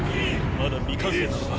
まだ未完成なのか？